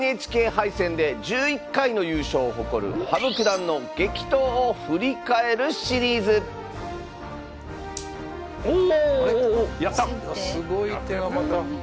ＮＨＫ杯戦で１１回の優勝を誇る羽生九段の激闘を振り返るシリーズすごい手がまた。